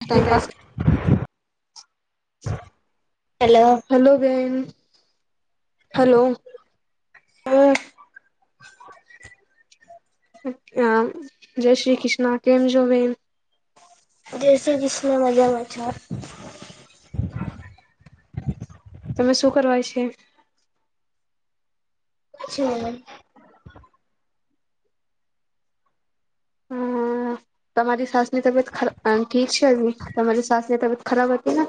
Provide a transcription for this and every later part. Timepass. Hello hello બેન hello હમ અ હા જય શ્રી કૃષ્ણ કેમજ બેન જૈસે જસને મજા મચા તમે શું કરવાય છે છે હમ તમારી સાસની તબિયત ખ ઠીક છે હજી તમારી સાસની તબિયત ખરાબ હતી ને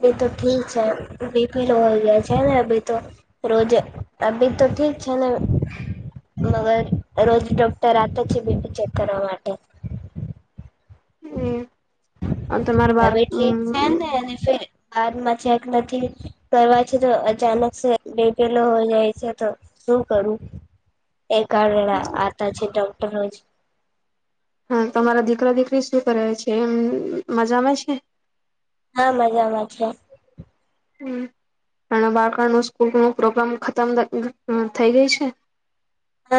હ તો ઠીક છે બીપીલો હોય ગયા છે ને તો રોજુ અભી તો ઠીક છે ને ર રોજ ડોક્ટર આચ બટ ચકર માટે. હમ. હ તમા મારે વાર હવે હ. ઠીક છે ને અને ફિર બાદમાં ચેક નથી કરવા છે તો અચાનક છે બેઠેલો હો જાય છે તો શું કરું. એ આતા જે ડર. રોજ. હા તમારા દીકરા દીકરી શું કરે છે એમ મજામાં છે. હા મજામાં છે. હ અને બાળકા ન સ્કૂલ ન પ્રોગ્રામ ખતમ થઈ ગઈ છે. હ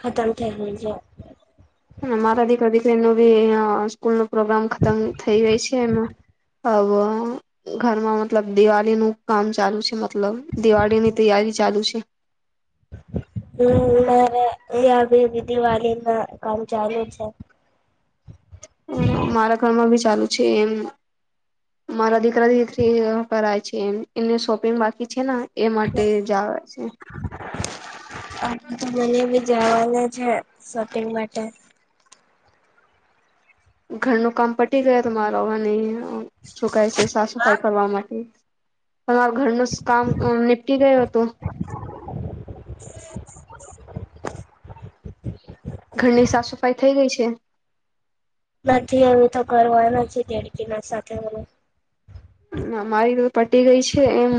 ખતમ થ છે. મારા દીકરા દીકરી નું ભી સ્કૂલ ન. પ્રોગ્રામ ખતમ થઇ ગઈ છે એમાં. હવે ઘરમાં મતલબ દિવાળી નું કામ ચાલુ છે મતલબ દિવાળીની તૈયારી ચાલુ છે. હમ મારે અહં બી દિવાળી ના કામ ચાલુ છે. મારા ઘરમાં બી. ચાલુ છે એમ મારા દીકરા દીકરી કરાય છે એમ એમને શોપિંગ બાકી છે ને. એ માટે જ આવે છે. આ મને બ. જાવાના છે શોપિંગ માટે ઘરનું કામ પટી ગયા તમા [unintelligible] સુકાય છે સાફ સફાઈ કરવા માટે પણ ઘરનું કામ અ નીપટી ગયો હતું. [inaudible] ઘરની સાફ સફાઈ થઈ ગઈ છે. નથી એવું તો કરવાનું છે દેડકી ના સાથે હું મારી તો પટી ગઈ છે એમ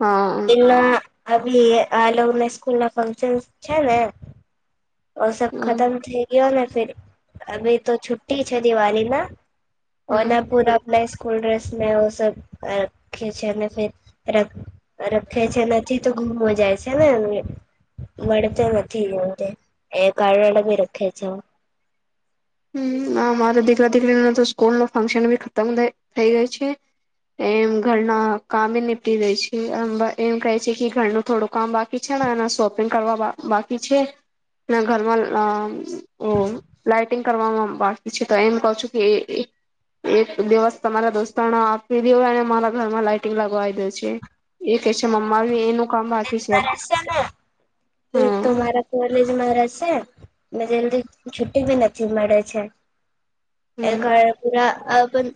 હા આવી આલો ને સ્કૂલ ના ફંક્શન છે ને ઓ સબ હમ ખતમ થઈ ગય ને ફેરે અભી તો છુટી છે દિવાલી ના હમ ઓનાપુર આપને સ્કૂલ ડ્રેસને ઓ સબ રખેયે છે ને ફીર રખે છે નથી તો ગુમ હો છે ને મળતો નથી એ એ કરડા ભી રખે છે. હ અમારે દીકરા દીકરીને તો સ્કૂલ નો ફંક્શન બી ખતમ થઈ થઈ ગઈ છે એમ ઘરના કામ બી નીપટી ગઈ છે એમ ભા એમ કહે છે કે ઘરનું થોડું કામ બાકી છે એના શોપિંગ કરવા બા બાકી છે ઘરમાં અ ઓ લાઈટ ટીગં કરવામાં બાકી છે તો એમ કવ છું કે એક દિવસ તમારા દોસ્તોને આપી દેતો મારા ઘરમાં લાઈટંગ લગ દે છે એ કે છે મમમા કોમ બાકી છે. તો તો હમ મારા કોલેજમાં છે ને જલ્દી છુટી બી નથી મળે છે. એ ઘર પૂરા અ પણ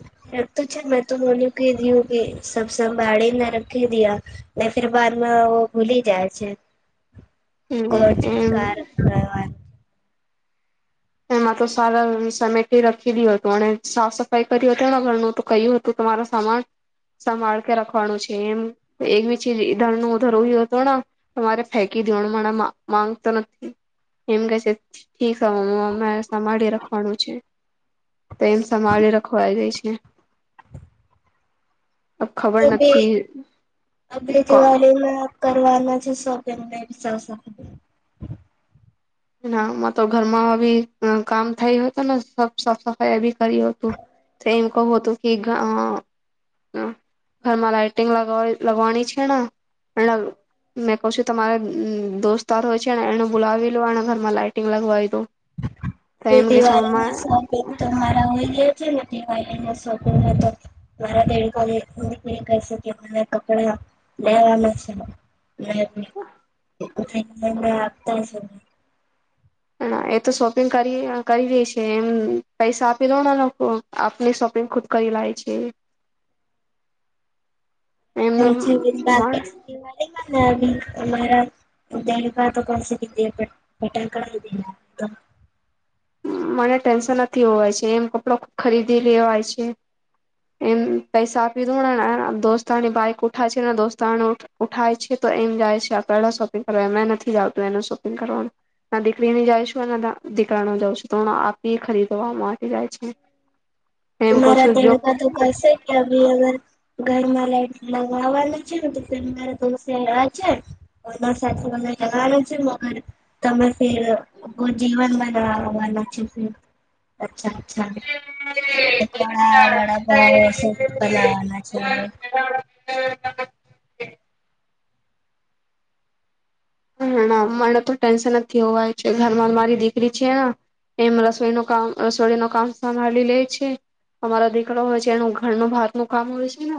રખતું છે મેં તો મોને કે દીયુ કે સબ સંભાળીને રખી દીયા ને ફીર બાદમાં ભૂલી જાય છે. હમ કોચ એમ [unintelligible] એમાં તો સારા સમેટી રાખી દીયો તું અને સાફ સફાઈ કરીયો હતો ને ઘરનું તો કહ્યું હતું તમારો સામાન સમાળ કે રાખવાનું છે એમ એક [unintelligible] હત ને તમારે ફેંકી દવાનું મને માં માંગતો નથી એમ કે છે ઠીક મે સાભાળી રાખવાનો છે. તો એમ સમાળી રખવા ગઈ છે. કે ઓમે અમે જેવા રેલા કરવાના છે શો તેમને [unintelligible] માં તો ઘરમાં બી કામ થય હો હત ને સાફ સફાઈ એ બી કરી હતું એમ કહું હતું કે ગા અ ઘરમાં લાઈટિંગ લગ લગવાની છે ને મેં કહ છું તમારે દોસ્તાર હોય છે ને એને બોલાવી વાના ઘરમાં લાઈટિંગ લગવાઈ દો તો એમ કે છે [inaudible] મમ્મા [unintelligible] કપદા [unintelligible] રેય જ ની [unintelligible] છેને એ તો શોપિંગ કરી કરી રે છે એમ પૈસા આપી દો ના લોકો આપને શોપિંગ ખુદ કરી લાય છે. [unintelligible] એમનું હાવી અમારા દ ભ તો કોસે રી પેટેણ કળ મને ટેન્શન નથી હોવાય છે એમ કપડો ખરીદી લેવાય છે એમ પૈસા આપી દો દોસ્તની બાઈક ઉઠાય છે અનેને દોસ્તને ઉઠાય છે તો એમ જાય છે આ પેલા શોપિંગ કરવા એ નથી જાવતું એનું શોપિંગ કરવાનું દીકરીની જાયશું દીકરાનો જાઉ છું હમા આપી ખરીદવાવામાં આવી જાય છે એમ કહ અમરા છું જો દડકા તો કરસે કે અભી અગર ઘરમાં લાઈટ લગાવવાનું છે તો મારા દોસ્ત તૈયાર છે બઘાસાથે અમને જવાનું છે મગર તમે ફીર ઓજીવનમાં ના આવવાનુ છે અચ્છા હમ મલે ઘણા વડા પાઉ શુપ બનાવાના છે [inaudible] હ અમારે તો ટેન્શન નથી હોવાય છે ઘરમાં મારી દીકરી છેને એમ રસોઈ નુ કામ રસોઈડી નુ કામ સંભાળી લે છે અમારા દીકરો હોય છે એનું ઘરનું ભાત નુ કામ હોય છે ને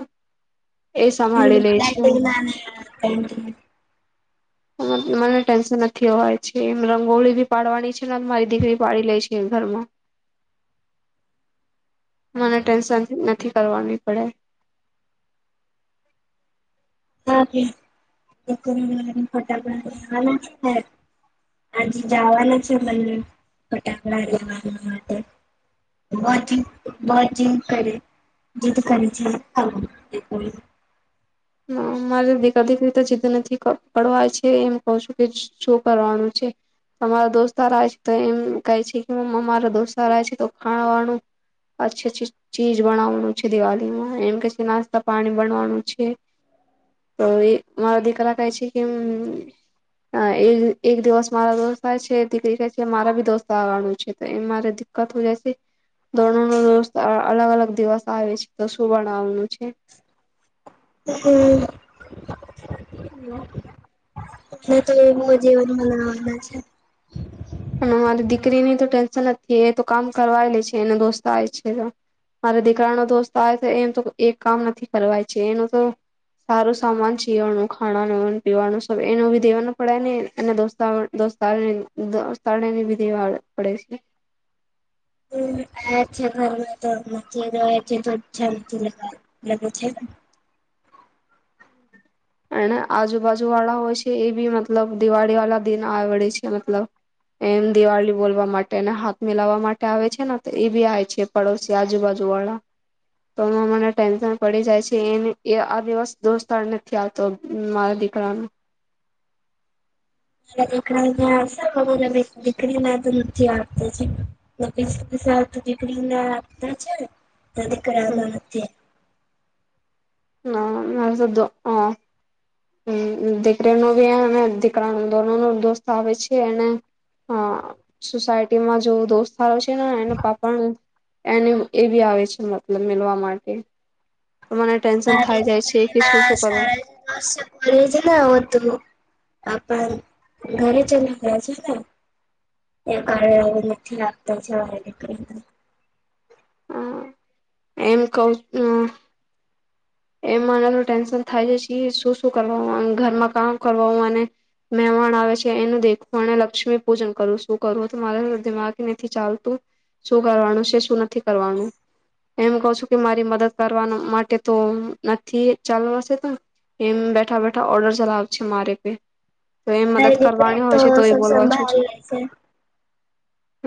એ હમ સંભાળી લે છે ડાઈડીગ ગમે યાર ડાઈડીગ મને ટેન્શન નથી હોય છે એમ રંગોળી ભી પાડવાની છે ને મારી દીકરી પાડી લે છે ઘરમાં મને ટેન્શન નથી કરવાની પડે હા ભી ફટાકડા લેવા છે આજે જવાના છે બને ફટાકડા લેવા માટે બ જ બ જદ કરે જીદ કરે છે [unintelligible] હ અ મારે દીકરી દીકરી તો જિદ્દ નથી પડવાય છે એમ કહ છું કે શું કરવાનું છે તમારા દોસ્તાર આવે છે તો એમ કહે છે કે અમારા દોસ્તાર આવે છે તો ખાવાનું અચછી અચ્છી ચીજ બનાવાનું છે દિવાળીમાં એમ કે છે નાસ્તા પાણી બનવાનું છે તો એ મારા દીકરા કહે છે કે એક દિવસ મારા દોસ્ત આવે છે દીકરી કહે છે મારા બી દોસ્ત આવવાનું છે તો એ મારે દિકકત જાય છે દોરોસ્ અલગ અલગ દિવસ આવે છે તો શું બનાવવાનું છે હમ [unintelligible] મે તો મગ જીવન બનાવા બ છે અને મારી દીકરીની તો ટેન્શન નથી એ તો કામ કરવાય લે છે એનો દોસ્ત આવે છે મારા દીકરાનો દોસ્ત આવે તો એમ તો એક કામ નથી કરવાય છે એનું તો સારું સામાન ચીવાનું ખાવાનું પીવાનું સ એનું બી દેવાનું પડે ને એોસ્ દોસ્ત પણેની વિધે વા પડે છે હ આછે ઘરમાં તો નથી રહે છે તો ચલ લે છે એને આજુબાજુ વાળા હોય છે એ બી મતલબ દિવાળી વાળા દિન આવેડે છે મતલબ એમ દિવાળી બોલવા માટે અને હાથ મિલાવવા માટે આવે છે ને તો એ બી આવે છે પડોશી આજુબાજુ વાળા તો એમાં મને ટેન્શન પડી જાય છે એ આ દિવસ દોસ્તારને ત્યાં તો મારા દીકરાનું એકડાને દીકરી ના તો નથી આપતા છે દીકરી ના આપતા છે ના દીકરા નો નથી ના મારે [unintelligible] હું દીકરી નુ બી દીકરા દોનો નો દોસ્ત આવે છે. એને સોસાયટીમાં જો દોસ્તારો છે. ને એના પાપા એને એ બી આવે છે. મતલબ મેલવા માટે મને ટેન્શન થાય મારી જાય છે દીકરી કે શું શું પાસ કરવા થાય [unintelligible] ના આવદ હતું. આપણ ઘરે ચલી ગયા છે. ને તે કારણે હવે નથી રાખતા છેરી દીકરી એમ કુંતુ એ માને ટેન્શન થાય જ છે શું શું કરવાનું ઘરમાં કામ કરવા અને મહેમાન આવે છે એનું દેખું અને લક્ષ્મી પૂજન કરવું શું કરવું તો મારે દિમાગ નથી ચાલતું શું કરવાનું છે શું નથી કરવાનું એમ કહ છું કે મારી મદદ કરવા માટે તો નથી ચાલવાશે તો એમ બેઠા બેઠા ઓર્ડર ચલાવશે મારે પે તો એમ હ મદદ પેટ કરવાની હોય તો છે સ એ બોલવા છું સંભાળ લે છે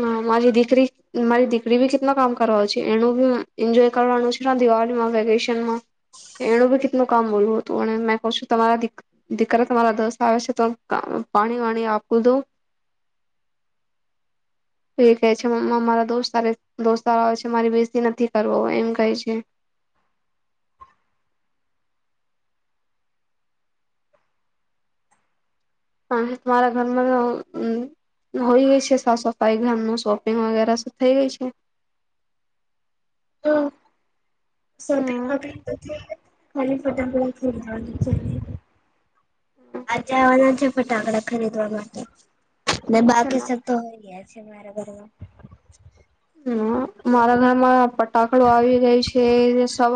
હા મારી દીકરી મારી દીકરી ભી કેટલા કામ કરવા છે એનું બી એન્જોય કરવાનું છે દિવાળીમાં વેકેશનમાં એનું ભી કેટલા કામ બોલવું હતું અને મેં કહ છું તમારા દીકરા તમારા દોસ્ત આવે છે તો પાણી વાણી આપું દઉ એ કહે છે મ્ મારા દોસ્ત દોસ્ત સારો આવે છે મારી બેસતી નથી કરવો એમ કહે છે અને તમારા ઘરમાં તો હોય ગઈ છે સાફ સફાઈ ઘરમાં શોપિંગ વગેરે થઈ ગઈ છે [unintelligible] આજ જવાના છે ફટાકડા ખરીદવા માટે ન છે બાકી સબ તો હોય છે મારેબરમાં હમ મારા ઘરમાં ફટાકડો આવી ગઈ છે સબ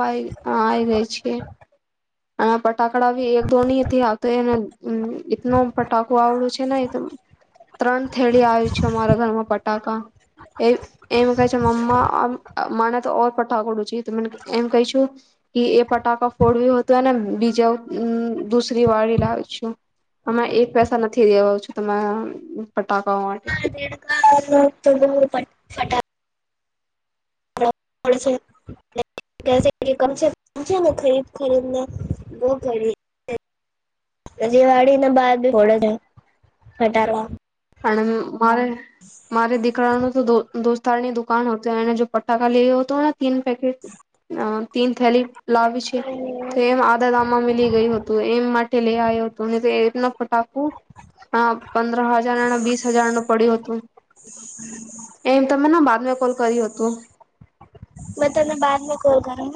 આવી ગઈ છે. અને ફટાકડા બી એક ધો થી આ તોને હમ એટનું ફટાકું આવડું છે ને એ ત્રણ થેડી આવી છે અમારા ઘરમાં ફટાકા એ એમ કહે છે મમ્મા. મને તો ઓર પટાકોડું છેને એમ કહીશુ કે એ પટાકા ફોડવ્યો. તો એને બીજા દુસરી વાળ લાવી છું અમે એક પૈસા નથી દેવા છું તમે પટા હા તો બહુ પ ફટા ને ખરી ખરી ને બ ઘડીજીવાળીને બારડે છે ઘટાડવા. હણ મારે મારે દીકરા ન તો દોસ્તારની દુકાન હોતેને જો પટાકાા લ હો હતો ને તીન પેકેટ અ તીન થેલી લાવી છે તો એમ આધા દમાં મિલી ગયું હતું એમ માટે લઈ આવ્યો હતો તો એ ફટાકુ અ પંદ્ર બીસ હજાર ન પડ્યું હતું એમ તમે બાદમાં કોલ કર્યું હતું. મે તને બાદ મે કોલ કરું.